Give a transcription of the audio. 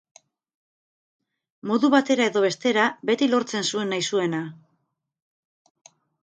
Modu batera edo bestera, beti lortzen zuen nahi zuena.